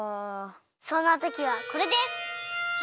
そんなときはこれです！